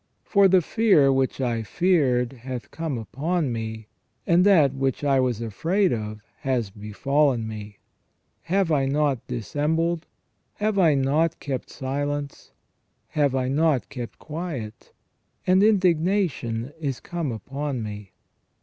For the fear which I feared hath come upon me : and that which I was afraid of has befallen me. Have I not dissembled? Have I not kept silence? Have I not kept quiet? And indignation is come upon me."